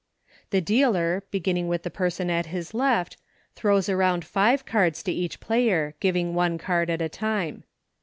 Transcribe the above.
The dealer, beginning with the person at his left, throws around five cards to each player, giving one card at a time.